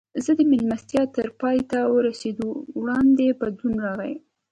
خو د مېلمستیا تر پای ته رسېدو وړاندې بدلون راغی